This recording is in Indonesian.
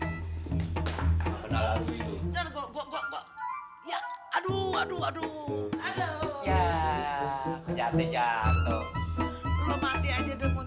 bener loh lo mau liat sekarang